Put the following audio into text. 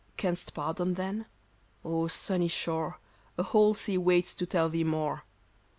Canst pardon then ? O sunny shore, A whole sea waits to tell thee more..